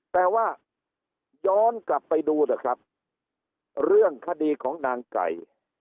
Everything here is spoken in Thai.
แต่ว่าย้อนกลับไปดูเถอะครับเรื่องคดีของนางไก่